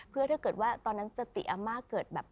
เพื่อถ้าเกิดว่าตอนนั้นสติอาม่าเกิดแบบ